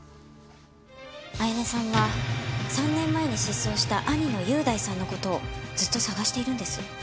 彩音さんは３年前に失踪した兄の優大さんの事をずっと捜しているんです。